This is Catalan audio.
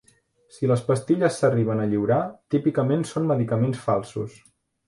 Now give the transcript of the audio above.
Si les pastilles s'arriben a lliurar, típicament són medicaments falsos.